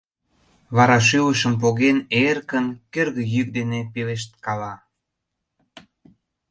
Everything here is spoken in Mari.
Вара, шӱлышым поген, эркын, кӧргӧ йӱк дене пелешткала: